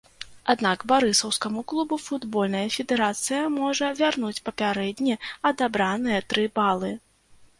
Аднак барысаўскаму клубу футбольная федэрацыя можа вярнуць папярэдне адабраныя тры балы.